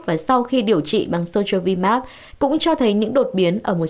và sau khi điều trị bằng sojovimab cũng cho thấy những đột biến ở một số f